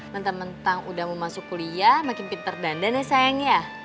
mentang mentang udah mau masuk kuliah makin pinter dandan ya sayang ya